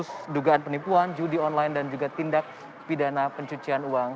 dan juga kasus dugaan penipuan judi online dan juga tindak pidana pencucian uang